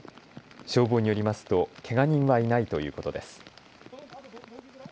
消防によりますとけが人はいないということです。